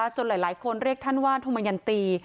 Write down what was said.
จนหลายคนเรียกท่านว่าธมยันตี